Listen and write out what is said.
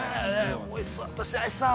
おいしそうだった、白石さん。